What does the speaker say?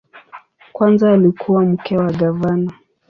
Kwanza alikuwa mke wa gavana.